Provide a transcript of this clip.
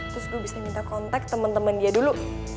terus gue bisa minta kontak temen temen dia dulu